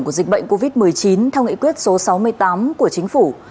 của dịch bệnh covid một mươi chín theo nghị quyết số sáu mươi tám của chính phủ